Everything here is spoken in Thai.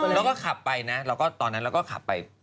แล้วก็ขับไปตอนนั้นเราก็ขับไป